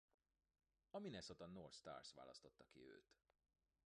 A Minnesota North Stars választotta ki őt.